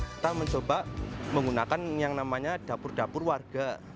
kita mencoba menggunakan yang namanya dapur dapur warga